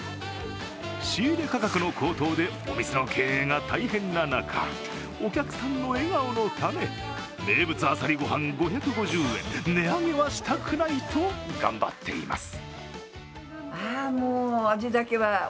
仕入れ価格の高騰でお店の経営が大変な中、お客さんの笑顔のため、名物あさりご飯５５０円、値上げはしたくないと頑張っています。